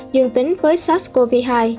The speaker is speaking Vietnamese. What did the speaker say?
dương tính với sars cov hai